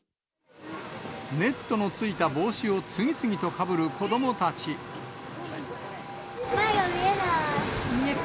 ネットのついた帽子を次々と前が見えない。